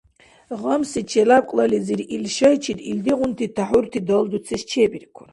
Гъамси челябкьлализир ил шайчир ишдигъунти тяхӀурти далдуцес чебиркур.